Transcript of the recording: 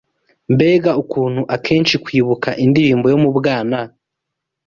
Mbega ukuntu akenshi kwibuka indirimbo yo mu bwana